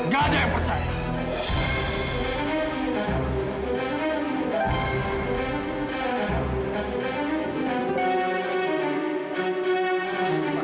tidak ada yang percaya